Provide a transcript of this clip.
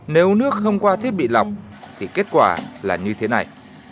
nếu nước không qua thiết bị lọc thì kết quả là như thế này